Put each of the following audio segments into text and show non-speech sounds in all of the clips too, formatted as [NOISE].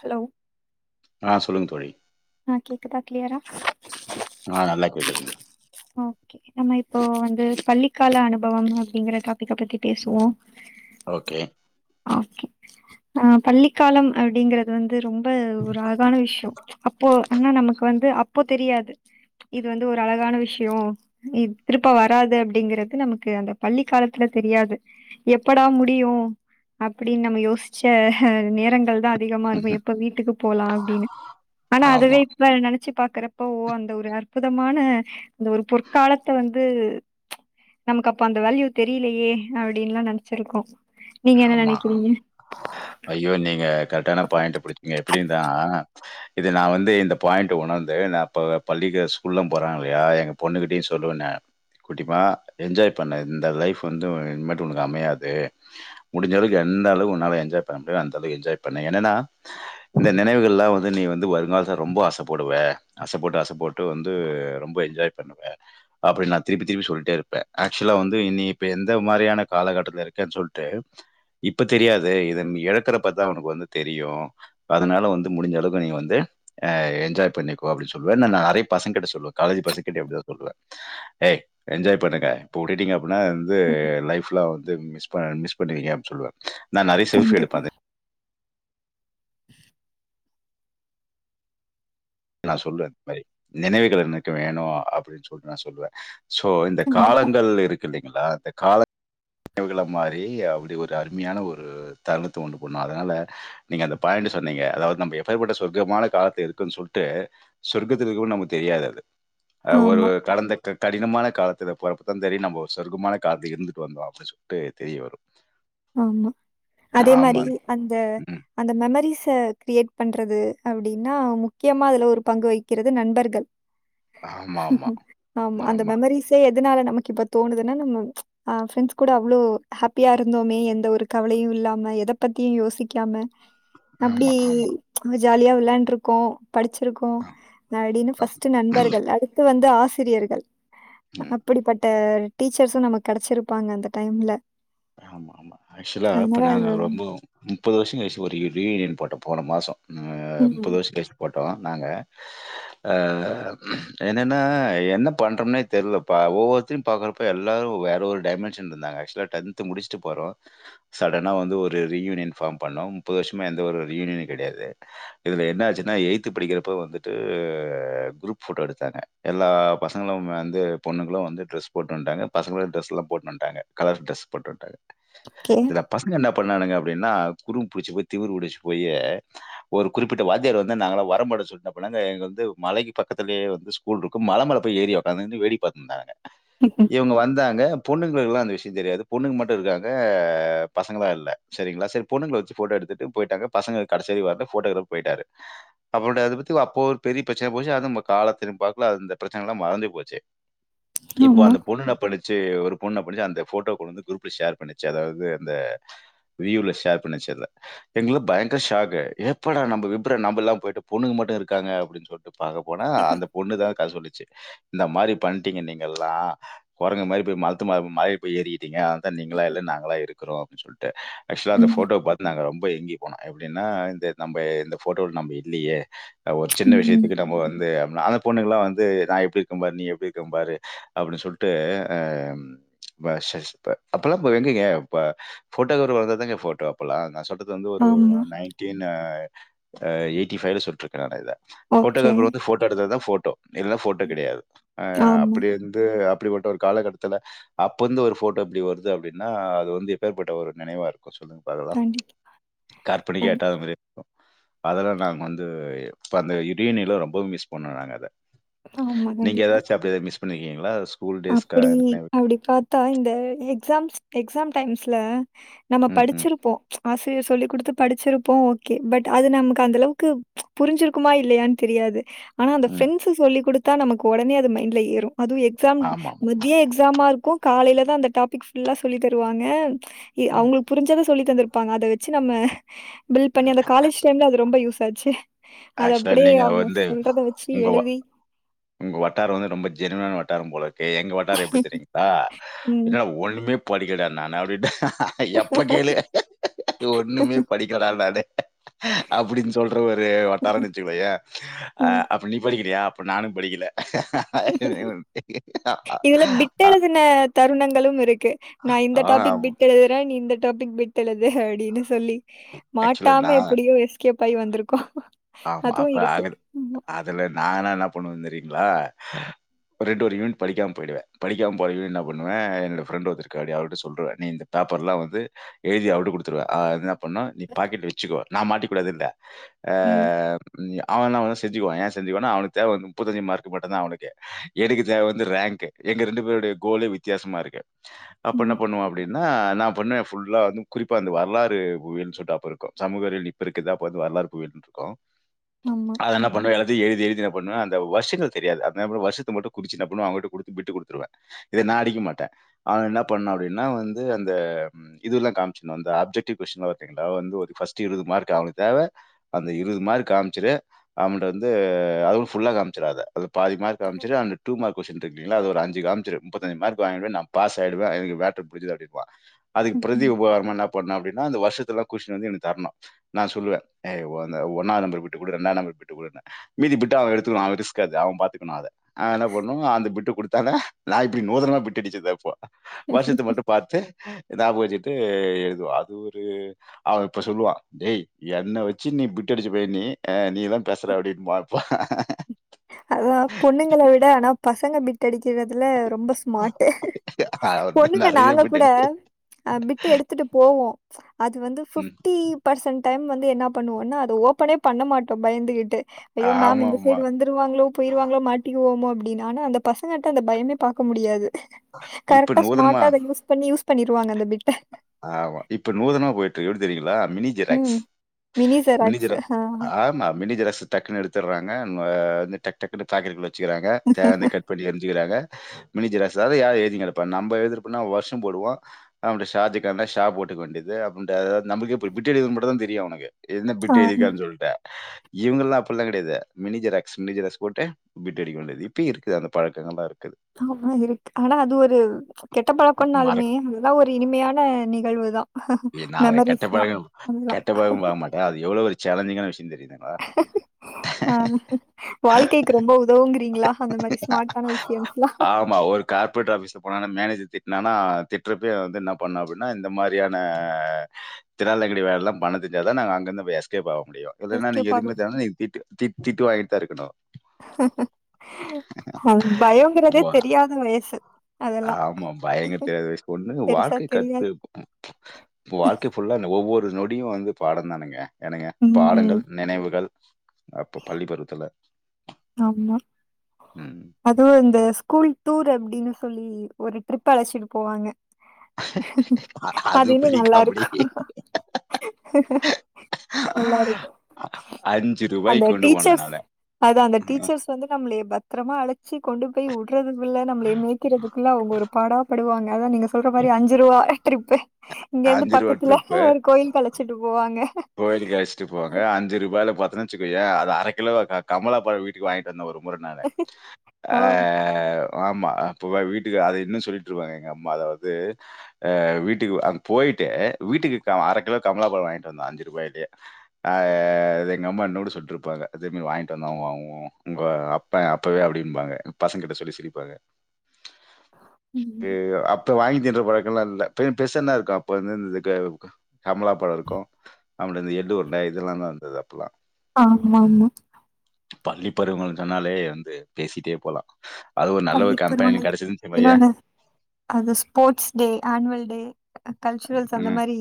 Hello ஆ சொல்லுங்க தோழி ஆ கேக்குதா கிளியரா ஆ நல்லா கேக்குதுங்க ஓகே நம்ம இப்போ வந்து பள்ளிக்கால அனுபவம் அப்டிங்கற டாபிக்க பத்தி பேசுவோ ஓகே ஓகே ஆ பள்ளிக்காலம் அப்டிங்ற இது வந்து ரொம்ப ஒரு அழகான விஷயோ அப்போ ஆனா நமக்கு வந்து அப் அப்போ தெரியாது இது வந்து ஒரு அழகான விஷ் யோ திருப்ப வராது அப்டிங்றது நமக்கு அந்த பள்ளி காலத்துல தெரியாது எப்படா முடியும் அப்டின்னு நம்ம யோசிச்ச நேரங்கள் தா அதிகமா இருக்கும்போ ம்ஹ்ம். எப்ப வீட்டுக்கு போலா அப்டின்னு ஆனா அதுவே ஆமா, வேற நெனச்சு பாக்குறப்ப ஓ அந்த ஒரு அற்புதமான அந்த ஒரு பொற்காலத்த வந்து நமக்கு அப்ப அந்த வேல்யூ தெரியலையே அப்டின்ல்லா நெனச்சிருக்கோ நீங்க என்ன ஆமா நெனைக்கிறீங்க ஐயோ நீங்க கரெக்டான பாயிண்ட்ட புடுச்சிங்க எப்படின் தா இது நா வந்து இந்த பாயிண்ட் உணர்ந்தே நா இப்ப பள்ளிக்கு ஸ்கூல்லா போறாங் இல்லையா எங்க பொண்ணுகிட்டயு சொல்லுவனே குட்டிமா என்ஜாய் பண்ணு இந்த லைஃப் வந்து இனிமேட்டு உனக்கு அமையாது முடிஞ்ச அளவுக்கு எந்தளவு ஒன்னால என்ஜாய் பண்ண முடிமோ அந்தளவு என்ஜாய் பண்ணு என்னனா இந்த நெனைவுகள்லா வந்து நீ வந்து வருங்காலத்ல ரொம்ப ஆசப்படுவ ஆசப்பட்டு ஆசப்பட்டு வந்து ரொம்ப என்ஜாய் பண்ணுவ அப்டின் நா திருப்பி திருப்பி சொல்ட்டே இருப்பே ஆக்சொலா வந்து இனி இப்ப எந்த மாரியான காலகட்டத்துல இருக்கன் சொல்ட்டு இப்ப தெரியாது இத நீ எழக்குறப்பத்தா உனக்கு வந்து தெரியு அதுனால வந்து முடுஞ்ச அளவுக்கு நீ வந்து அ என்ஜாய் பண்ணிக்கோ அப்டி சொல்வே நானு நெறைய பசங்க கிட்ட சொல்லுவே காலேஜ் பசங்கிட்டயு அப்டிதா சொல்லுவே ஏய் என்ஜாய் பண்ணுங்க இப்ப வுட்டுட்டீங்க அப்டினா அது வந்து லைஃப்ல வந்து மிஸ் பண் மிஸ் பண்ணிவீங்க அப்டி சொல்லுவே நா நெறைய செல்ஃபி எடுப்பே கண்டிப்பா அது நா சொல்லுவே இந்த மாரி நெனைவுகள் என்னெக்கு வேணு அப்டின்னு சொல்ட்டு நா சொல்லுவே சோ இந்த கண்டிப்பா காலங்கள் இருக்கு இல்லைங்களா இந்த கால நினைவுகளா மாரி அப்டி ஒரு அருமையான ஒரு தருணத்த உண்டு பண்ணு அதனால நீங்க அந்த பாயிண்ட் சொன்னீங்க அதாவது நம்ப எப்பேற்பட்ட சொர்க்கமான காலத்து இருக்கன் சொல்ட் ட்டு சொர்க்கத்துக்கு இகு நமக்கு தெரியாது அது ஒரு ஆமா கடந்த க கடினமான காலத்துல பொறப் போறந்ததே நம்பொ சொர்க்கமான காலத்தில் இருந்துட்டு வந்தோ அப்டி சொல்ட்டு தெரிய வரு ஆமா அதே மாரி ஆமாங்க. அந்த ம். அந்த மெமரிஸ கிரியேட் பண்றது அப்டின்னா முக்கியமா அதுல ஒரு பங்கு வகிக்கிறது நண்பர்கள் ஆமாமா. ஆமா அந்த மெமரிஸ் ஸே எதுனால நமக்கு இப்ப தோனுதுன்னா நம்ம அ ஃப்ரெண்ட்ஸ் கூட அவ்ளோ ஹாப்பியா இரு ந்தோமே எந்த ஒரு கவலையு இல்லாம எத பத்தியு யோசிக்காம அப்டி ஆமா, ஆமா. ஜாலியா விளாண்டு இருக்கோ படிச்சிருக்கோ ஆமா அப்டின்னு ஆ. ஃபஸ்ட்டு நண்பர்கள் அடுத்து வந்து து ஆசிரியர்கள் ஆமா. அப்புடிப்பட்ட டீச்சர்ஸு நமக் கெடச்சிருப்பாங்க அந்த டைம்ல ஆமா ஆமா ஆக்சொலா இப்ப அதனால நாங்க ரொம்ப முப்பது வர்ஷங் கழிச்சு ஒரு ரியூனியன் போட்டோ போன மாசொ அ முப்பது ம். வர்ஷோ கழிச்சி போட்டோ நாங்க அ என்னன்னா என்ன பண்றோம்னே தெர்லப்பா ஒவ்வொ [UNINTELLIGIBLE] பாக்குறப்ப எல்லாரு வேற ஒரு டைமன்ஷன் இருந்தாங்க ஆக்சொலா டென்த்து முடுச்ட்டு போறோ சடனா வந்து ஒரு ரீயூனியன் ஃபார்ம் பண்ணோ முப்பது வர்ஷமா எந்த ஒரு ரீயூனியனு கெடையாது இதுல என்ன ஆச்சுன்னா எய்த் படிக்கிறப்ப வந்துட்டு குரூப் போட்டோ எடுத்தாங்க எல்லா பசங்களு வந்து பொண்ணுங்களு வந்து ட்ரெஸ் போட்டு வந்ட்டாங்க பசங்களு டிரெஸ்ல்லா போட்டு வந்ட்டாங்க கலர் ட்ரெஸ் போட்டு விட்டாங்க ஓகே. இதுல பசங்க என்ன பண்ணானுங்க அப்டின்னா குரும்பு புடுச்சு போய் திமிரு புடுச்சு போயி ஒரு குறிப்பிட்ட வாத்தியர் வந்து நாங்களா வரமாட்டோ சொல்ட்டோ அப்ப நாங்க இங்க வந்து மலைக்கு பக்கத்திலே வந்து ஸ்கூல் இருக்கு மல மேல போய் ஏரி ஒக்காந்துகின்னு வேடிக்க பாத்ருந்தாங்க இவுங்க வந்தாங்க பொண்ணுங்களுக்குல்லா அந்த விஷ்யோ தெரியாது பொண்ணுங்க மட்டு இருக்காங்க பசங்களா இல்ல செரிங்களா செரி பொண்ணுங்கள வெச்சு ஃபோட்டோ எடுத்துட்டு போய்ட்டாங்க பசங்க கடசி வரைக்கு வர்ல ஃபோட்டோக்ராப் போய்ட்டாரு அப்டே அத பத்தி அப்போ ஒரு பெரிய பிரச்சன போச்சு அது ம் காலத்தி திரும் பாக்குல அந்த பிரச்சனல்லா மறந்தே போச்சு இப்போ ஆமா. அந்த பொண்ணு என்னா பண்ணுச்சு ஒரு பொண்ண புடுச்சு அந்த ஃபோட்டோ கொண்டுந்து குரூப்ல ஷேர் பண்ணிச்சு அதாவது அந்த வீய்வ்ல ஷேர் பண்ணுச்சு அத எங்களுக்ளா பயங்கர ஷாக்கு எப்படா நம்ம விப்ர நம்ப இல்லாம போய்ட்டு பொண்ணுங்க மட்டு இருக்காங்க அப்டின்னு சொல்ட்டு பாக்க போனா அந்த பொண்ணு தா கத சொல்லிச்சு இந்த மாரி பண்ட்டீங்க நீங்கெல்லா கொரங்கு மாரி போய் மரத்து மேல மல பேய் ஏறிக்கிட்டீங்க நீங்கெல்லா இல்ல நாங்கெல்லா இருக்கறோ அப்டி சொல்லிட்டு ஆக்சுவலா அந்த ம். ஃபோட்டோ பாத் நாங்க ரொம்ப ஏங்கி போனோ எப்டின்னா இந்த நம்ம இந்த ஃபோட்டோல நம்ப இல்லெயே ஒரு சின்ன ம். விஷயத்துக்கு நம்ம வந்து அ நாங்க பொண்ணுங்க எல்லா வந்து நா எப்டி இருக்கே பாரு நீ எப்டி இருக்கெ பாரு அப்டி சொல்ட்டு அ வ ஷஷ் ப்ப அப்பெல்லா ப எங்கங்க ப ஃபோட்டோக்கார் ஒருத்தர் தாங்க ஃபோட்டோ அப்பெல்லா நா சொல்றது வந்து ஒரு ஆமா. நைன் டின்ன எயிட்டி ஃபைல சொல்ட்ருகே நானு இத ஓகே. ஃபோட்டோக்ராபர் வந்து ஃபோட்டோ எடுத்தா தா ஃபோட்டோ இல்லன்னா ஃபோட்டோ ம். கெடையாது அ ஆமா. அப்டி இருந்து அப்டிப்பட்ட ஒரு காலகட்டத்துல அப்ப வந்து ஒரு ஃபோ ட்டோ எப்டி வருது அப்டின்னா அது வந்து எப்பேற்பட்ட ஒரு நெனைவா இருக்கு சொல்லுங்க பாக்கலா கண்டிப்பா, கற்பனைக் கண்டிப்பா. எட்டாத மாரி அதெல்லா நாங்க வந்து இப்ப அந்த யுடினில ரொம்பவு மிஸ் பண்ணோ நாங்க அத ஆமா, நீங்க எதாச்சு அப்டி எதா மிஸ் பண்ணிருக்கீங்களா அத சொ அப்டி அப்டி பா த்தா இந்த எக்ஸாம்ஸ் எக்ஸாம் டைம்ஸ்ல நம்ம ம், ம், படுச்சிருப்போ ஆசிரியர் சொல்லி குடுத்து படுச்சிருப்போ ஓகே பட் அது நமக்கு அந்த அளவுக்கு புரேஞ்சிருக்குமா இல்லயா தெரியாது ஆனா அந்த ம். ஃப்ரெண்ட்ஸு சொல்லி குடுத்தா நமக்கு ஒடனே அது மைண்ட்ல ஏறு அது எக் எக்ஸாம் ஆமாமா. மதியோ எக்ஸாமா இருக்கு காலேலதா அந்த டாபிக் ஃபுல்லா சொல்லி தருவாங்க எ ம். அவங்ளுக்கு புருஞ்சத சொல்லி தந்ருப்பாங்க அத வெச்சு நம்ம பில் பண்ணி அந்த காலெஜ் டைம்ல அது ரொம்ப யூஸ் ஆச்சு அத ஆக்சுவலா அப்டியே நீங்க அவங்க வந்து சொல்றத வெச்சு உங்க எழுதி உங்க வட்டாரோ வந்து ரொம்ப ஜென்யூனான வட்டாரோ போல இரு எங்க வட்டாரோ எப்டி தெரியுங்கலா ம். என்னடா ஒன்னுமே படிக்கல நானு அப்டின்ட்டு அ எப்ப கேளு ஹே ஒன்னுமே படிக்கல டா நானு அப்டின்னு சொல்ற ஒரு வ ட்டாரோன்னு வெச்சுக்கோயே ம். அப்ப நீ படிக்கலயா நானு படிக்கல ரெண்டு இதுல பிட் பேரு எழுதின தருணங்களும் இருக்கு நா இந்த ஆ டாபிக் ஆமா. பிட்டு எழுதறே நீ இந்த டாபிக் பிட்டு எழுது அப்டின்னு சொல்லி ஆக்சுவலா மாட்டாம நான் எப்பிடியோ எஸ்கேப்பாய் வந்திருக்கோ அதுவு இருக்கு ஆமா இதுல நாங்கலா என்ன பண்ணுவோன்னு தெரியுங்களா ஒரு ரெண்டு வரி யூனிட் படிக்காம போய்டுவே படிக்காம போன யூனிட்ட என்ன பண்ணுவே என்னோட ஃப்ரெண்டு ஒருத்தி இருக்கா இலியா அவட்ட சொல்ருவே நீ இந்த பேப்பர்ல வந்து எழுதி அவட்ட குடுத்துருவே பண்ணா நீ பாக்கெட் வெச்சுக்கோ நா மாட்டிக்க கூடாது இல்ல ம் அவெ என்ன பண்ணுவா செஞ்சுக்வா ஏ செஞ்சுக்குவானா அவனுக்கு தேவ நுப்பத்தஞ்சி மார்க்கு மட்டுதா அவனுக்கு எனக்கு தேவ வந்து ரேங்க்கு எங்க ரெண்டு பேரோடைய கோலே வித்தியாசமா இருக்கு அப்ப என்ன ம். பண்ணுவோ அப்பிடின்னா நா பண்ண ஃபுல்லா குறிப்பா அந்த வரலாறு பூவியல் சொல்ட்டு அப்ப இருக்கு சமூக அறிவியல் இப்ப இருக்குது அப்ப வந்து வரலாறு பூவியல் சொல்லீட்டு இருக்கு ஆமா அது என்ன பண்ணுவ எல்லாத்தையு எழுதி எழுதி என்ன பண்ணுவ அந்த வருஷங்கள் தெரியாது அதுனால அப்புறோ வருஷத்த மட்டு குருச்சு என்ன பண்ணுவ அவங்க கிட்ட குடுத்து பிட்டு குடுத்துருவ இத நா அடிக்க மாட்ட அவ என்ன பண்ணு அப்டின்னா வந்து அந்த ம் ம் இதுல்லா காமுச்சுன்னு வந்த ஆப்ஜெக்டிவ் கொஸ்டின் எல்லா பாத்துருக்கீங்களா வந்து ஒரு ஃபஸ்ட் இருவது மார்க்கு அவுனுக் தேவ அந்த இருவது மார்க் காமுச்சுரு அவன்ட்ட வந்து அது ஃபுல்லா காமுச்சுறாத அதுல பாதி மார்க் காமுச்சுட்டு அந்த டூ மார்க் கொஸ்டீன் இருக்கு இல்லைங்களா அது ஒரு அஞ்சு காமுச்சுரு முப்பத்தஞ்சு மார்க் வாங்கிருவ நாம் பாஸ் ஆயிடுவ எனக்கு மேட்ரு புருஞ்சுது அப்டின்பா அதுக்கு பிரதி ம்ஹ்ம். உபகாரமா என்ன பண்ணு அப்டின்னா அந்த வருஷத்துல்லா குஷ்னு வந்து எனக்கு தர்ணு நா சொல்லுவ ஏய் ஒ அந்த ஒன்னா நம்பர் விட்டு குடு ரெண்டா நம்பர் விட்டு குடுன்னு மீதி பிட்டா அவ எடுத்துக்களா ஆனா ரிஸ்க் அது அவ பாத்துக்கணு அத ஆனா என்ன பண்ணு அந்த பிட்டு குடுத்தாதா நா இப்டி நூதனமா பிட்டு அடுச்சது அப்போ வருஷத்த மட்டு பாத்து ஞாபகோ வெச்சுட்டு எழுதுவோ அது ஒரு அவ இப்ப சொல்லுவா டேய் என்ன வெ சின்னி பிட் அடுச்சு போயிர் நீ அ நீதாம் பேசுற அப்டின்பா அப்போ அதா பொண்ணுங்கல விட ஆனா பசங்க பிட்டடிக்கிறதுல ரொம்பஸ் மாட்டு அவன் பொண்ணுங்க நெறைய நாங்க பிட் கூட அடி அ பிட்டு எடுத்துட்டு போவோ அது வந்து ம். பிஃப்டி பர்சன் டைம் வந்து என்ன பண்ணுவோனா அது ஓப்பனே பண்ண மாட்டோ பயந்துகிட்டு ஐயோ மேம் இந்த ஆமாமா. சைடு வந்து வருவாங்களோ போயிருவாங்களோ மாட்டிக்குவோமோ அப்டின்னு ஆனா அந்த பசங்கிட்ட அந்த பயமே பாக்க முடியாது இப்ப கரெக்டா நூதனமா ஸ்மாடா அத யூஸ் பண்ணி யூஸ் பண்ணிருவாங்க அந்த பிட்ட ஆமா இப்ப நூதனமா போயிட்டுக்கு எப்டி தெரியுங்களா மினி ஜெராக்ஸ் ம். Mini xerox. ஜெராக் ஆ. ஆமா மினி ஜெராஸ்ஸு டக்குனு எடுத்துறாங்க வந்து டக் டக்குனு பேக்கெட்டுக்குள்ள வெச்சுக்குறாங்க தேவ வந்தா கட் பண்ணி எருஞ்சுக்குறாங்க மினி ஜெராக்ஸ் அத யார எழுதின் கெடப்பா நம்ப எழுதிட்போனா வருஷம் போடுவோ நம்முடைய ஷாதிக் ட்டாந்தா ஷா போட்டுக்க வேண்டிது அப்புன்டு நமக்கு எப்புடி பிட்டு அடிக்குறது மட்டுந்தா தெரியு உனக்கு என்ன ஆ. பிட்டு எழுதிருக்கான் சொல்ட்ட இவங்கெல்லா அப்டில்லா கெடையாது மினி ஜெராக்ஸ் மினி ஜெராக்ஸ் போட்டு பிட்டு அடிக்க வேண்டிது இப்பயு இருக்குது அந்த பழக்கங்க எல்லா இருக்குது ஆமா இருக்கு ஆனா அது ஒரு கெட்ட பழக்கனாலுமே மறக் அது துல்லா ஒரு இனிமையான நிகழ்வு தா நான் மெமரிஸ் தா அதெல்லா தா அது எவ்ளோ ஒரு சேலஞ்சிங்கான விஷ்யோன் தெரியுதுங்களா ஆ வாழ்க்கைக்கு ரொம்போ உதவுங்குறீங்களா அந்த மாரி ஸ்மாட்டான விஷ்யம்ஸ்லா கார்பட் ஆஃபீஸ்க்கு போனா அந்த மேனேஜர் திட்னானா திட்ரப்பயே வந்து என்ன பண்ண அப்டினா இந்த மாரியான் நா தில்லாலங்கடி வேல எல்லா பண்ண தெருஞ்சாதா நாங்க அங்குருந்து எஸ்கேப் ஆவ முடியு இல்லன்னா நீங்க எஸ்கேப் எதுமே ஆகும். தேவ இல்லன் நீ திட்டு தி திட்டு வாங்கிட்தா இருக்கணு அது பயங்கறதே வா தெரியாத வயசு அதெல்லாம் ஆமா பயங்கர தெரியாத வைஸ் ஒண்ணு பெருசா வாழ்க்கை தெரியாது. கத்துப் ம் வாழ்க்கை ஃபுல்லா அந்த ஒவ்வொரு நொடியு வந்து பாடந்தானுங்க ஏனுங்க ம். பாடங்கள் நினைவுகள் அப்போ பள்ளி பருவத்துல ஆமா ம். அதுவு இந்த ஸ்கூல் டூர் அப்டின் சொல்லி ஒரு ட்ரிப்பு அழச்சுட்டு போவாங்க அது இன்னு பெரிய காமெடி. நல்லாருக்கு நல்லாருக்கு ரூ. அந்த கொண்டு போனேன் டீச்சர்ஸ் நானு. அதா அந்த ரூ. டீச்சர்ஸ் வந்து நம்மளிய பத் த்ரமா அழச்சு கொண்டு போய் உடுறதுக்குள்ள நம்மளயே மேய்கிறதுக்குள்ள அவுங்க ஒரு பாடா படுவாங்க அதா நீங்கஸ் சொல்ற மாரி அஞ்சுருவா ட்ரிப்பு இங்க இருந்து பக்கத்துல ட்ரிப். ஒரு கோயிலுக் அழச்சுட்டு போவாங்க கோயிலுக்கு அழஸ்ட்டு போங்க அஞ்சு ரூபாயல பாத்தனு வச்க்கேயே அது அரை கிலோ க கமலாப வீ வாங்கிட்டு வந்த ஒரு முற நான்னு ஆ ஓ ஆமா அப்போ வீட்டுக்கு அத இன்னு சொல்லிட்ருபாங்க எங்க அம்மா அத வந்து அ வீட்டுக்கு அங் போயிட்டு வீட்டுக்கு அரை கிலோ கமலா பழம் வாங்கிட்டு வந்தோ அஞ்சு ரூபாக்கி அது எங்க அம்மா என்னோடு சுட்டுருப்பாங்க அதே மாரி வாங்கிட்டு வந்தாங்கோ ஒ உங்க அப் ப அப்பவே அப்டிம்பாங்க பசங்க கிட்ட சொல்லி சிரிப்பாங்க அப் ப வாங்கி தின்ற பளக்கல்லா இல்ல பெ பெசென்னா இருக்கு அப்ப வந்து கமலா பழம் இருக்கு அப்படி இந்த எள்ளு உருண்டை இதெல்லா தா இந்தது அப்பெல்லா ஆமா ஆமா பள்ளி பருவன் சொன்னாலே வந்து பேசிட்டே போலா அதுவு ஒரு நல்ல ஒரு பண்ணிட்டு வருவாங்க கம்பெனி கெடச்சதுன் வையே இன்னொன்னு அது sports day annual day culturals அந்த ம். மாரி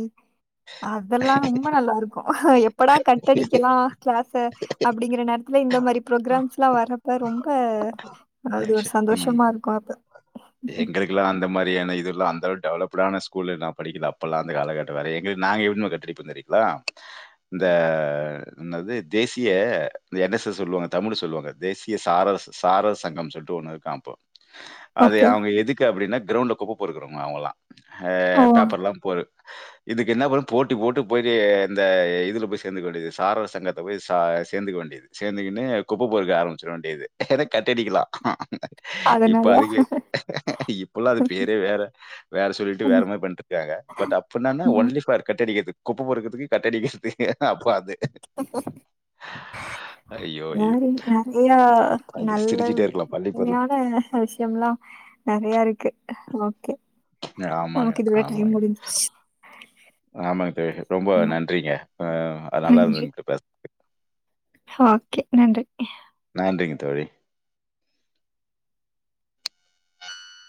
அதெல்லா ரொம்ப நல்லா இருக்கு எப் படா கட்டடிக்கலா கிளாஸ்ஸ அப்படிங்கிற நேரத்துல இந்த மாரி ப்ரோக்கிராம்ஸ் எல்லா வர்ரப்ப ரொம்ப சந்தோஷமா இருக்கு அப்ப எங்களுக்குலா அந்த மாதிரியான இதுல்ல அந்தவு டெவல்டான ஸ்கூலல்லா நா படிக்கல்லா அப்பல்லா அந்த காலகட்ட வேற எங்களுக் நாங்க இன்னு அடிப்புந்து தெரிங்கலா ம் இந்த என்பது தேசிய என் எஸ் எஸ் சொல்லுவாங்க தமிழு சொல்லுவாங்க தேசிய சார சாரர் சங்கம் சொல்ட் டு ஒன்னு க்கு அப்போ அது ஓகே. அவங்க எதுக்கு அப்படின்னா கிரௌண்ட்ல குப்ப பொருக்குறவங்க அவங்கல்லா அ ஓ! பேப்பர் எல்லா பொரு இதுக்கு என்ன பண் போட்டி போட்டு போயிட்டு இந்த இதுல போய் சேர்ந்து கொண்டியது சாரர் சங்கத்த போய் ச சேர்ந்துக்க வேண்டியது சேந்துக்கின்னு குப்ப பொருக்க ஆரம்பிச்சிட வேண்டியது எனா கட்டடிக்கலா அதனால்ல இப்பல்லா அது பேரே வேற வேற சொல்ட்டு வேறமா பண்ட்ருக்காங்க பட் அப்பன்னன்னா ம். ஒன்லி ஃபார் கட்டடிக்கிறது குப்ப பொருக்கறதுக்கு கட்டடிக்கிறது அப்ப அது ஐயோ! ஐயோ! மாரி நெறையா அது நல்ல சிரிச்சுட்டே இருக்கலாம் பள்ளிப்பருவம். உண்மையான விஷ்யம்ல்லா நெறைய இருக்கு ஓகே ஆமாங்க, நமக்கு இதுவே ஆமாங்க. டைம் முடிஞ்சு ஆமாங்க தோழி ரொம்ப ம். நன்றிங்க அ அது நல்லா நன்றி. இருந்தது ட்ட பே ஓகே நன்றி நன்றிங்க தோழி